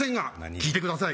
聞いてください